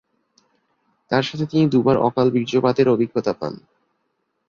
তার সাথে, তিনি দু'বার অকাল বীর্যপাতের অভিজ্ঞতা পান।